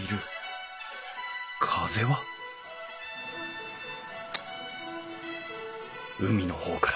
風は海の方から。